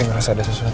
gak ada makanan